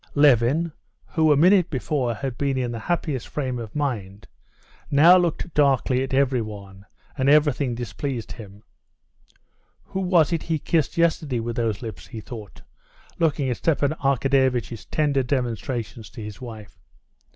Levin, who a minute before had been in the happiest frame of mind, now looked darkly at everyone, and everything displeased him. "Who was it he kissed yesterday with those lips?" he thought, looking at Stepan Arkadyevitch's tender demonstrations to his wife.